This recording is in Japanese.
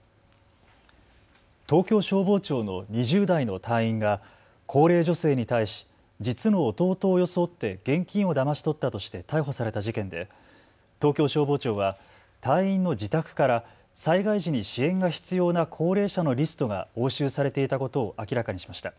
東京消防庁の２０代の隊員が高齢女性に対し実の弟を装って現金をだまし取ったとして逮捕された事件で東京消防庁は隊員の自宅から災害時に支援が必要な高齢者のリストが押収されていたことを明らかにしました。